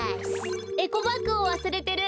エコバッグをわすれてる。